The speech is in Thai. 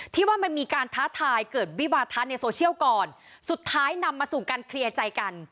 ที่ว่ามันมีการท้าทายเกิดวิวาทะในโซเชียลก่อนสุดท้ายนำมาสู่การเคลียร์ใจกัน